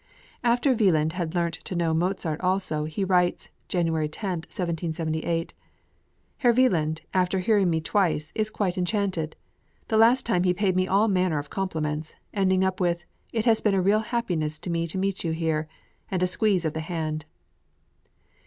After Wieland had learnt to know Mozart also, he writes (January 10, 1778): "Herr Wieland, after hearing me twice, is quite enchanted. The last time he paid me all manner of compliments, ending up with, 'It has been a real happiness to me to meet you here!' and a squeeze of the hand."